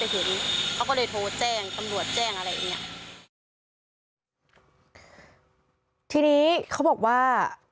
ทีนี้เขาบอกว่า